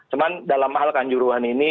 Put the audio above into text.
cuman dalam hal kehanjuruhan ini